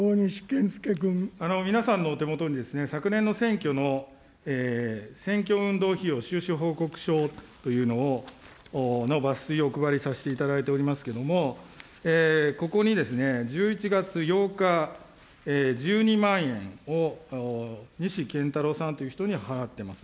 皆さんのお手元に、昨年の選挙の選挙運動費用収支報告書というのの抜粋をお配りをさせていただいておりますけれども、ここに１１月８日、１２万円を西憲太郎さんという人に払ってます。